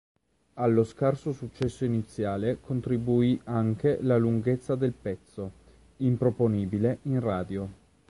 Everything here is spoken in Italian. Allo scarso successo iniziale contribuì anche la lunghezza del pezzo, improponibile in radio.